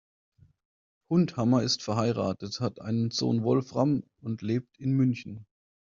Hundhammer ist verheiratet, hat einen Sohn Wolfram und lebt in München.